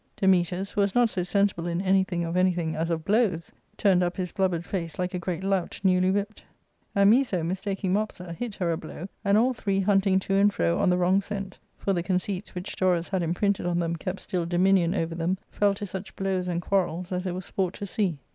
Dametas, who was not so sensible in anything of "^"^ V anything* as of blows, turned up his blubbered face like a /great lout newly whipped, and Miso mistaking Mopsa, hit / her a blow, and all three hunting to and fro on the wrong ' scent — for the conceits which Dorus had imprinted on them kept still dominion over them — fell to such blows and quarrels as it was sport to see.